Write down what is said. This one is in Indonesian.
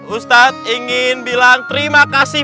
ustadz ingin bilang terima kasih